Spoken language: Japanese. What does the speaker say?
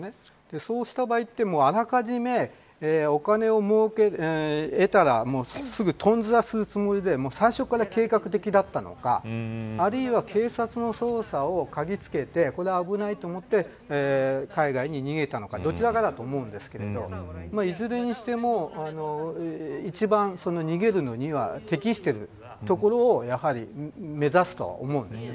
そうした場合ってあらかじめ、お金を得たらすぐトンズラするつもりで最初から計画的だったのかあるいは警察の捜査をかぎつけてこれは危ないと思って海外に逃げたのかどちらかだと思うんですけどいずれにしても一番逃げるのには適している所をやはり、目指すとは思うんです。